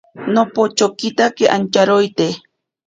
Nopochokitake antaroite.